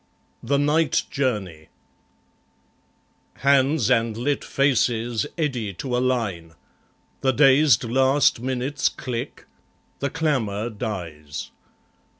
The Night Journey Hands and lit faces eddy to a line; The dazed last minutes click; the clamour dies.